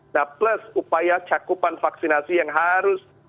nah plus upaya cakupan vaksinasi yang harus